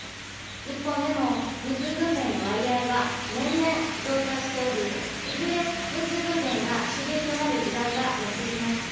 日本でも無痛分娩の割合は年々増加しており、いずれ無痛分娩が主流となる時代がやって来ます。